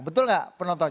betul gak penonton